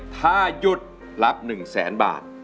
ถ้าหยุดรับ๑แสนบาท